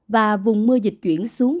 và vùng mưa dịch chuyển xuống